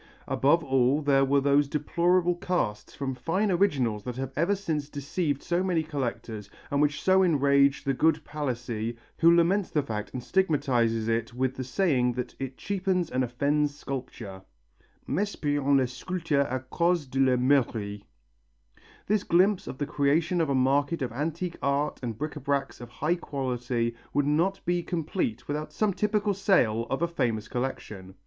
Above all there were those deplorable casts from fine originals that have ever since deceived so many collectors and which so enraged the good Palissy, who laments the fact and stigmatizes it with the saying that it cheapens and offends sculpture, "mespris en la sculpture à cause de la meulerie." This glimpse of the creation of a market of antique art and bric à bracs of high quality would not be complete without some typical sale of a famous collection.